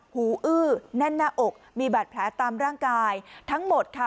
หูอื้อแน่นหน้าอกมีบาดแผลตามร่างกายทั้งหมดค่ะ